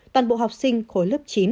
toàn bộ học sinh khối lớp chín